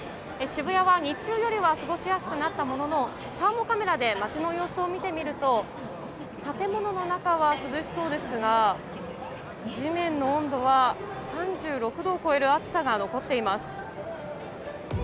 渋谷は日中よりは過ごしやすくなったもののサーモカメラで街の様子を見てみると建物の中は涼しそうですが地面の温度は３６度を超える暑さが残っています。